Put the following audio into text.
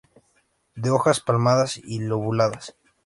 De hojas palmadas y lobuladas.